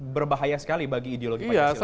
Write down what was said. berbahaya sekali bagi ideologi pancasila